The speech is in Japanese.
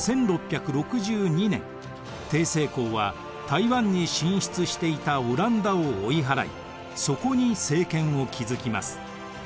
成功は台湾に進出していたオランダを追い払いそこに政権を築きます。